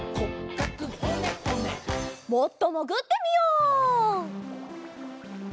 もっともぐってみよう！